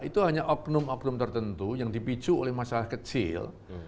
itu hanya oknum oknum tertentu yang dipicu oleh masalah kecil